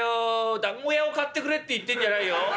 団子屋を買ってくれって言ってんじゃないよ？